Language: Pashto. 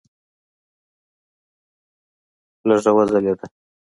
لیکه وځلېده.